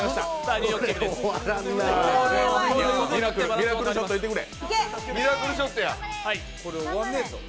ミラクルショットいってくれ。